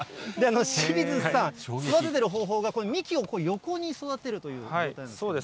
清水さん、育ててる方法が、幹を横に育てるということで。